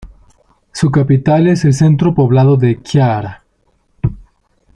Su capital es el centro poblado de Chiara.